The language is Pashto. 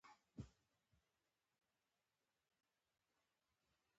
بي خونده ونې پاتي شوې، خلک يو بل خوا ور څخه